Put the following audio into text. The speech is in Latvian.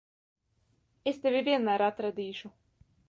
Es tevi vienmēr atradīšu.